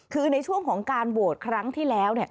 คือในช่วงของการโหวตครั้งที่แล้ว